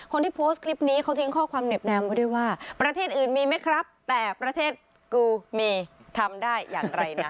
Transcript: คนที่โพสต์คลิปนี้เขาทิ้งข้อความเหน็บแมมไว้ด้วยว่าประเทศอื่นมีไหมครับแต่ประเทศกูมีทำได้อย่างไรนะ